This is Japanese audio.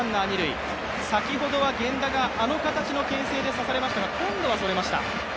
先ほどは源田があの形のけん制で差されましたが、今度はそれました。